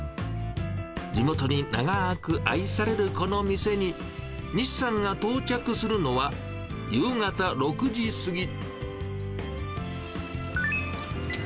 地元に長く愛されるこの店に、西さんが到着するのは、夕方６時過ぎ。